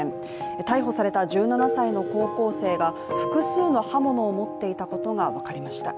逮捕された１７歳の高校生が複数の刃物を持っていたことが分かりました。